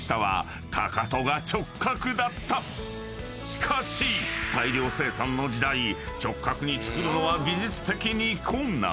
［しかし大量生産の時代直角に作るのは技術的に困難］